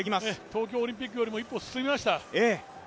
東京オリンピックよりも一歩進みました。